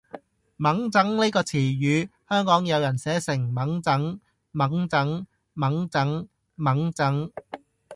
𤷪𤺧 呢個詞語，香港有人寫成：忟憎，憫憎 ，𤷪𤺧，𢛴 憎